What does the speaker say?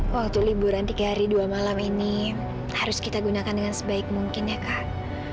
waktu liburan tiga hari dua malam ini harus kita gunakan dengan sebaik mungkin ya kak